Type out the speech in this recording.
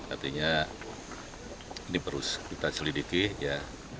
artinya ini terus kita selidiki ya